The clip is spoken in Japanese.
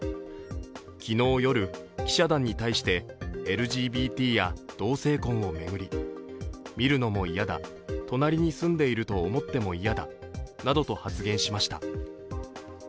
昨日夜、記者団に対してＬＧＢＴや同性婚を巡り見るのも嫌だ、隣に住んでいると思っても嫌だなどと発言しました。